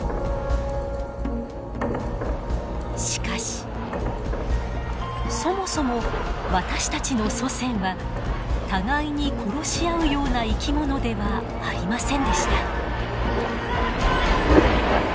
しかしそもそも私たちの祖先は互いに殺し合うような生き物ではありませんでした。